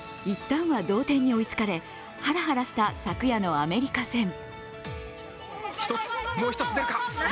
いったんは同点に追いつかれ、はらはらした昨夜のアメリカ戦。